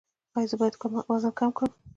ایا زه باید وزن کم کړم؟